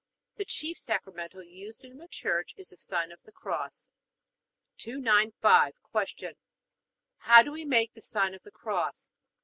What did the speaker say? The chief sacramental used in the Church is the sign of the Cross. 295. Q. How do we make the sign of the Cross?